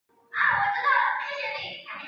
担任小说插画的是伊东杂音。